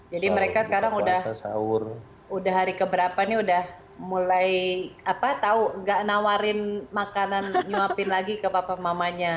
jadi mereka sekarang udah hari keberapa nih udah mulai apa tau nggak nawarin makanan nyuapin lagi ke papa mamanya